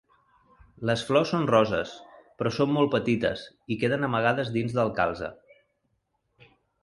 Les flors són roses però són molt petites i queden amagades dins del calze.